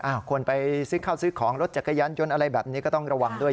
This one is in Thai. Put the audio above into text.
คนไปซื้อข้าวซื้อของรถจักรยานยนต์อะไรแบบนี้ก็ต้องระวังด้วย